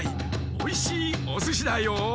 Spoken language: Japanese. おいしいおすしだよ。